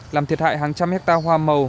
làm thiệt hại hàng trăm hectare hoa màu